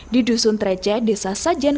di dusun treceh desa sajen